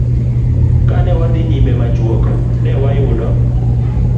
Ka ne wadhi nyime machuok, ne wayudo